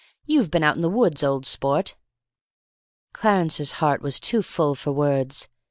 You've been out in the woods, old sport." Clarence's heart was too full for words.